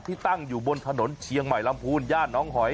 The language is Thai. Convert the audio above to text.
ที่ตั้งอยู่บนถนนเชียงใหม่รำพูลญาติหนองหอย